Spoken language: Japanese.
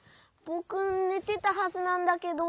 ぼくねてたはずなんだけど。